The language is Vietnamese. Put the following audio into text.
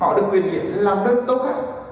họ được quyền hiệp làm đơn tốt